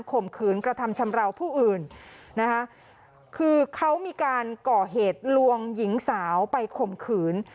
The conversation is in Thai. ข่มขืนกระทำชำราวผู้อื่นนะคะคือเขามีการก่อเหตุลวงหญิงสาวไปข่มขืน